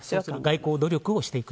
外交努力をしていく。